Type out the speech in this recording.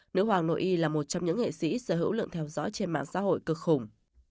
nữ hoàng nội y là một trong những nghệ sĩ sở hữu lượng theo dõi trên mạng xã hội cực khủng